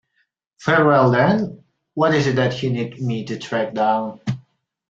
Very well then, what is it that you need me to track down?